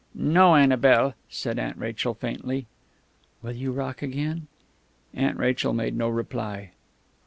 "No, Annabel," said Aunt Rachel faintly. "Will you rock again?" Aunt Rachel made no reply.